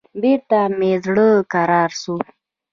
بېرته مې زړه کرار سو.